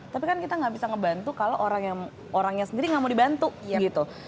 tapi kan kita gak bisa ngebantu kalau orang yang orangnya sendiri gak mau dibantu gitu